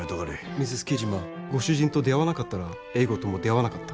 Ｍｒｓ．Ｋｉｊｉｍａ．ご主人と出会わなかったら英語とも出会わなかった。